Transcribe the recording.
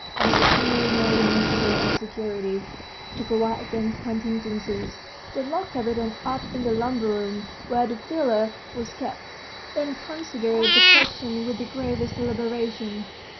As a preliminary measure of security, to provide against contingencies, they locked Kapiton up in the lumber room where the filter was kept; then considered the question with the gravest deliberation.